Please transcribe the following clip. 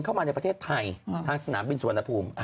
เข้ามาในประเทศไทยทางสถานการณ์บินสวรรค์นภูมิ